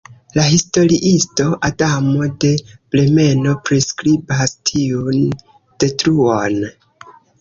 La historiisto Adamo de Bremeno priskribas tiun detruon.